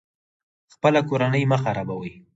خپله کورنۍ مه خرابوئ